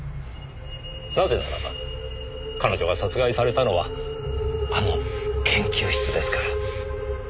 なぜならば彼女が殺害されたのはあの研究室ですから。